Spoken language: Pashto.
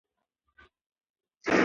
سپین موټر تر ټولو موټرو ښکلی معلومېده.